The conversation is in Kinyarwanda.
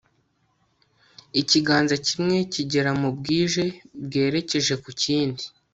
ikiganza kimwe kigera mu bwije bwerekeje ku kindi